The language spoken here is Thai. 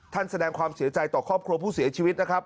แสดงความเสียใจต่อครอบครัวผู้เสียชีวิตนะครับ